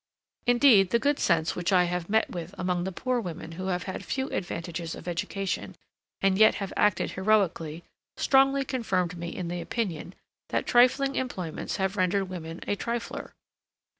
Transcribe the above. Indeed the good sense which I have met with among the poor women who have had few advantages of education, and yet have acted heroically, strongly confirmed me in the opinion, that trifling employments have rendered women a trifler.